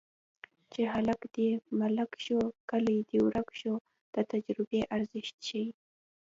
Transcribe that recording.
چې هلک دې ملک شو کلی دې ورک شو د تجربې ارزښت ښيي